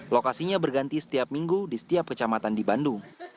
lokasinya berganti setiap minggu di setiap kecamatan di bandung